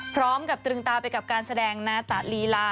พร้อมกับตรึงตาไปกับการแสดงหน้าตาลีลา